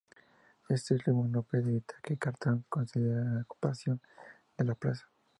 Este último no pudo evitar que Cartón consolidara la ocupación de la plaza.